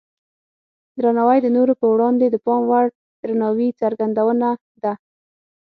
درناوی د نورو په وړاندې د پام وړ درناوي څرګندونه ده.